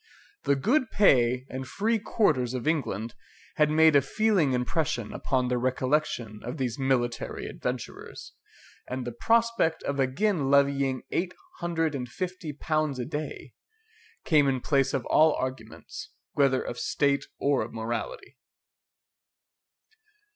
The good pay and free quarters of England had made a feeling impression upon the recollection of these military adventurers, and the prospect of again levying eight hundred and fifty pounds a day, came in place of all arguments, whether of state or of morality.